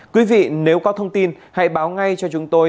quý vị nếu có thông tin hãy báo ngay cho chúng tôi